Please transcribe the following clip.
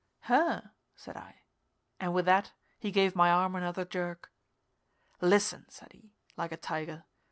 _" "Her," said I. And with that he gave my arm another jerk. "Listen," said he, like a tiger.